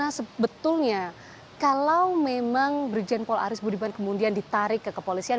karena sebetulnya kalau memang brigjen pol aris buniman kemudian ditarik ke kepolisian